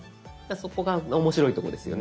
そこが面白いとこですよね。